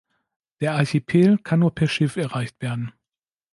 Der Archipel kann nur per Schiff erreicht werden.